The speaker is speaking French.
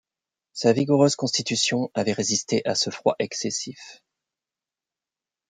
Sa vigoureuse constitution avait résisté à ce froid excessif.